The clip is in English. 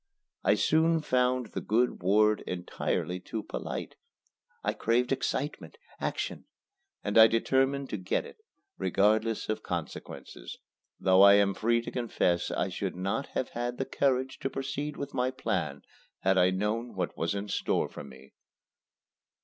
I soon found the good ward entirely too polite. I craved excitement action. And I determined to get it regardless of consequences; though I am free to confess I should not have had the courage to proceed with my plan had I known what was in store for me.